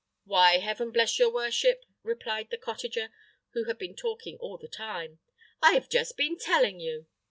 "Why, heaven bless your worship!" replied the cottager, who had been talking all the time, "I have just been telling you."